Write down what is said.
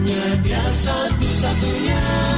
hanya dia satu satunya